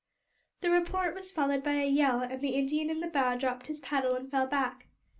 The report was followed by a yell, and the Indian in the bow dropped his paddle and fell back.